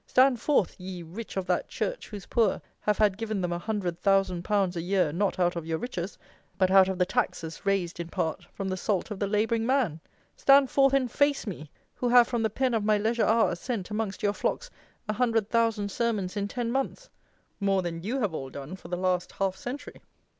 Stand forth, ye rich of that church whose poor have had given them a hundred thousand pounds a year, not out of your riches, but out of the taxes, raised, in part, from the salt of the labouring man! Stand forth and face me, who have, from the pen of my leisure hours, sent, amongst your flocks, a hundred thousand sermons in ten months! More than you have all done for the last half century!"